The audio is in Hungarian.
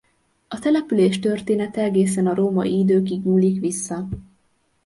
A település története egészen a római időkig nyúlik vissza.